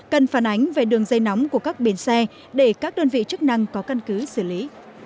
cần phản ánh về đường dây nóng của các bến xe để các đơn vị chức năng có căn cứ xử lý